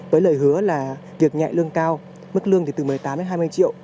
với lời hứa là việc nhẹ lương cao mức lương thì từ một mươi tám đến hai mươi triệu